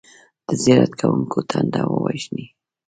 د زیارت کوونکو تنده ووژني.